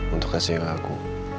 untuk kasih aku